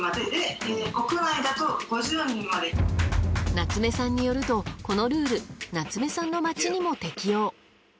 夏目さんによると、このルール夏目さんの町にも適用。